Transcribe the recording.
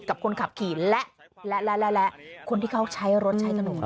กับคนขับขี่และคนที่เขาใช้รถใช้ถนน